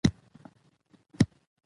لږ ساعت پس ماشوم نيم جګ اوبۀ راوړې